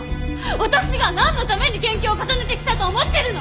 私がなんのために研究を重ねてきたと思ってるの！